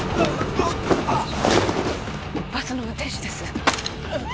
バスの運転手です